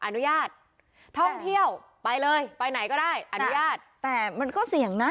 อนุญาตท่องเที่ยวไปเลยไปไหนก็ได้อนุญาตแต่มันก็เสี่ยงนะ